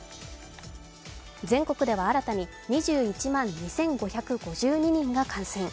全国では新たに２１万２５５２人が感染。